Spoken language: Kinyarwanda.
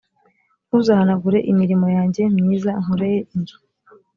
ntuzahanagure imirimo yanjye myiza nkoreye inzu